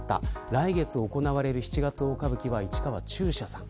来月行われる七月大歌舞伎は市川中車さん。